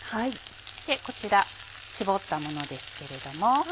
こちらしぼったものですけれども。